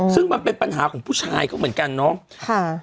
ซึ่งมันเป็นปัญหาของผู้ชายเขาเหมือนกันเนาะ